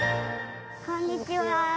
こんにちは。